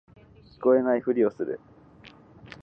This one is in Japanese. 聞こえないふりをする